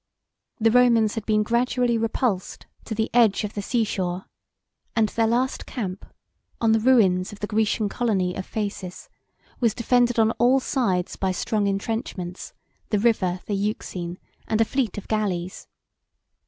The Romans had been gradually repulsed to the edge of the sea shore; and their last camp, on the ruins of the Grecian colony of Phasis, was defended on all sides by strong intrenchments, the river, the Euxine, and a fleet of galleys.